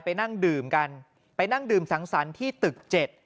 นั่งดื่มกันไปนั่งดื่มสังสรรค์ที่ตึกเจ็ด